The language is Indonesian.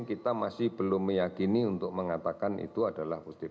kita masih belum meyakini untuk mengatakan itu adalah positif